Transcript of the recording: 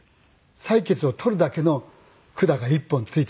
採血を取るだけの管が１本付いてるんですよ。